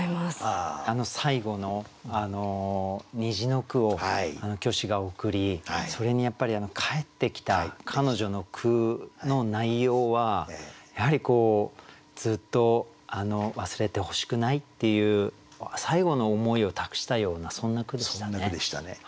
あの最後の虹の句を虚子が送りそれに返ってきた彼女の句の内容はやはりずっと忘れてほしくないっていう最後の思いを託したようなそんな句でしたね。